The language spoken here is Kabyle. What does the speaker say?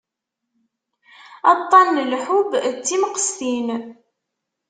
Aṭṭan n lḥubb d timqestin.